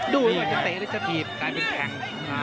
ด้วยว่าจะเตะหรือจะบีบกลายเป็นแข็ง